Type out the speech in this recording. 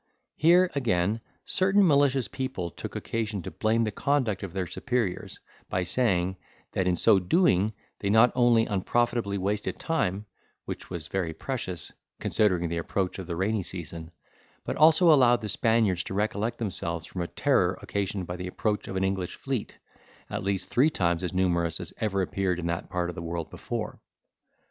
Here, again, certain malicious people took occasion to blame the conduct of their superiors, by saying, that in so doing they not only unprofitably wasted time, which was very precious, considering the approach of the rainy season, but also allowed the Spaniards to recollect themselves from a terror occasioned by the approach of an English fleet, at least three times as numerous as ever appeared in that part of the world before.